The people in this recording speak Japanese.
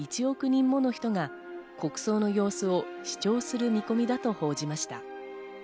人もの人が国葬の様子を視聴する見込みだと報じました。